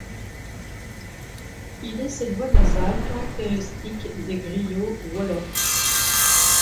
Il est cette voix nasale caractéristique des griots wolofs.